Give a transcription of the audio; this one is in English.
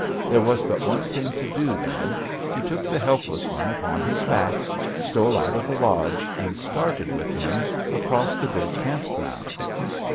There was but one thing to do then. He took the helpless one upon his back, stole out of the lodge, and started with him across the big camp ground.